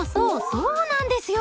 そうなんですよ。